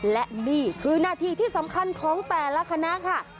และนี่คือหน้าที่ที่สำคัญของแต่ละคณะค่ะ